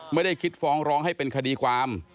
ไม่ได้คิดฟ้องร้องให้เป็นคดีความ